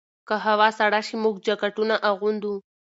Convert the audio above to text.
که هوا سړه شي، موږ جاکټونه اغوندو.